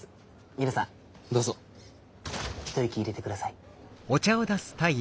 皆さんどうぞ一息入れて下さい。